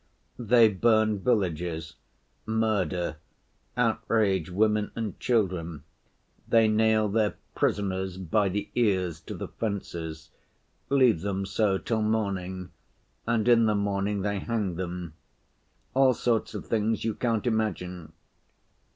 They burn villages, murder, outrage women and children, they nail their prisoners by the ears to the fences, leave them so till morning, and in the morning they hang them—all sorts of things you can't imagine.